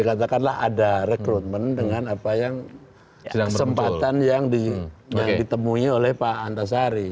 katakanlah ada rekrutmen dengan apa yang kesempatan yang ditemui oleh pak antasari